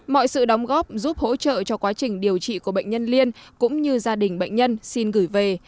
mọi sự đóng góp giúp hỗ trợ cho quá trình điều trị của bệnh nhân liên cũng như gia đình bệnh nhân xin gửi về